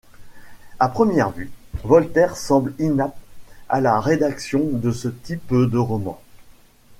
À première vue, Voltaire semble inapte à la rédaction de ce type de romans.